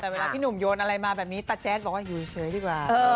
แต่เวลาพี่หนุ่มโยนอะไรมาแบบนี้ตาแจ๊ดบอกว่าอยู่เฉยดีกว่า